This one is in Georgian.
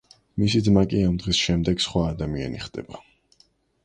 მისი ძმა კი ამ დღის შემდეგ სხვა ადამიანი ხდება.